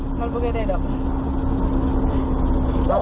มันชนนะเราไม่ได้ชนมาเลย